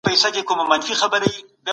په ذهن کي به مو د پرمختګ نوي لاري وي.